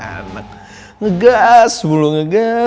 dania anak ngegas mulu ngegas yaa